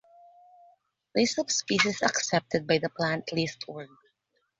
List of species accepted by The Plant List Org.